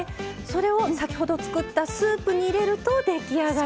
それを先ほど作ったスープに入れると出来上がりです。